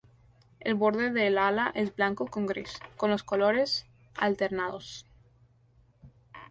El borde del ala es blanco con gris, con los colores alternados.